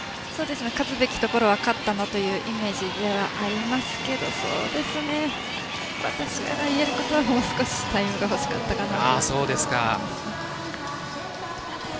勝つべきところが勝ったなというイメージではありますけど私から言えることは、もう少しタイムが欲しかったかなと。